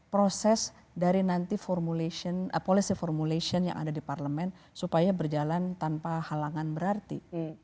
proses dari nanti policy formulation yang ada di parlemen supaya berjalan tanpa halangan berarti